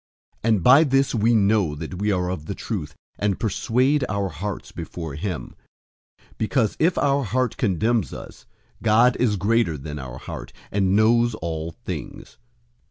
003:019 And by this we know that we are of the truth, and persuade our hearts before him, 003:020 because if our heart condemns us, God is greater than our heart, and knows all things.